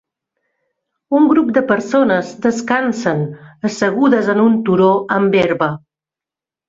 Un grup de persones descansen assegudes en un turó amb herba.